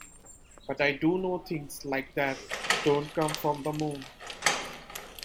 But I do know things like that don't come from the moon.